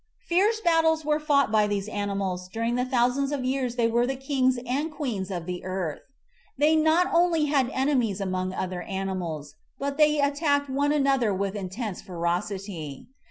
Fierce battles were fought by these animals during the thousands of years they were the kings and queens of the earth. They not only had enemies among other animals, but they attacked one an other with intense ferocity.